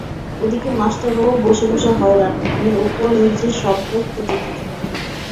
ওদিকে মাস্টারবাবু বসে বসে হয়রান, আমি ওপর নিচে সব ঘর খুঁজে খুঁজে।